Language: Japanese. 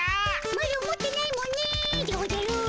マロ持ってないもんねでおじゃる。